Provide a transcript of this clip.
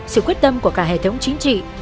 sự quyết tâm của cả hệ thống chính trị